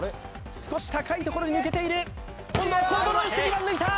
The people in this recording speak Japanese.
少し高いところに抜けている今度はコントロールして２番抜いた！